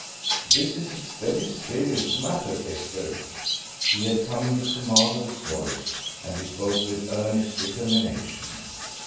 "This is a very serious matter, Esther." He had come into command of his voice, and he spoke with earnest determination.